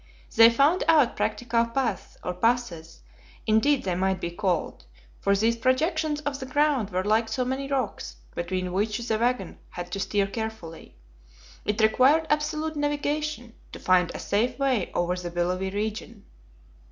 They found out practical paths, or passes, indeed they might be called, for these projections of the ground were like so many rocks, between which the wagon had to steer carefully. It required absolute navigation to find a safe way over the billowy region.